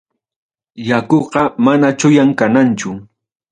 Yakuqa mana chuyam kananchu.